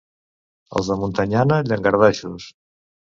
Els de Montanyana, llangardaixos.